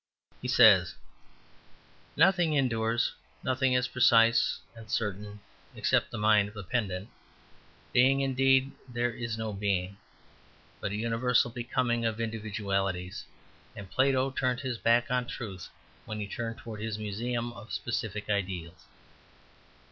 He says, "Nothing endures, nothing is precise and certain (except the mind of a pedant).... Being indeed! there is no being, but a universal becoming of individualities, and Plato turned his back on truth when he turned towards his museum of specific ideals."